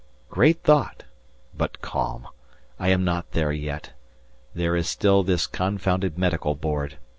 Great thought but calm! I am not there yet, there is still this confounded medical board.